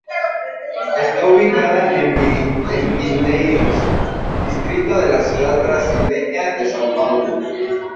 Está ubicada en Pinheiros, distrito de la ciudad brasileña de São Paulo.